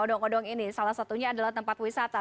odong odong ini salah satunya adalah tempat wisata